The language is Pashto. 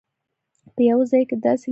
په یوه ځای کې داسې لیکي.